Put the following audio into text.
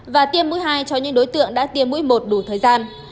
và tiêm mũi hai cho những đối tượng đã tiêm mũi một đủ thời gian